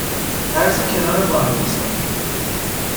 هر سه کنار وان میایستند